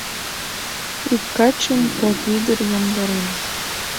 Ик качым кок ӱдыр йомдарен.